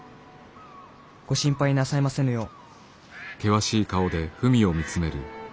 ご心配なさいませぬよう」。